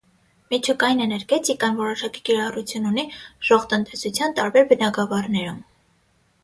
Միջուկային էներգետիկան որոշակի կիրառություն ունի ժողտնտեսության տարբեր բնագավառներում։